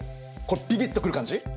ビビッと来る感じ？